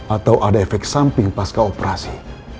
atau ada efek samping pas keoperasi